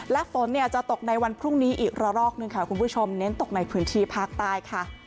และฝนเนี่ยจะตกในวันพรุ่งนี้อีกระรอกหนึ่งค่ะคุณผู้ชมเน้นตกในพื้นที่ภาคใต้ค่ะ